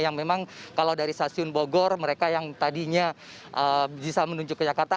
yang memang kalau dari stasiun bogor mereka yang tadinya bisa menuju ke jakarta